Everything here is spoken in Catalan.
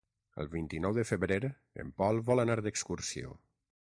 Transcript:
El vint-i-nou de febrer en Pol vol anar d'excursió.